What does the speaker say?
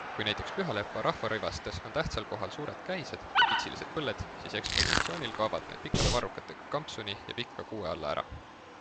Kui näiteks Pühalepa rahvarõivastes on tähtsal kohal suured käised ja pitsilised põlled, siis ekspositsioonil kaovad need pikkade varrukatega kampsuni ja pika kuue alla ära.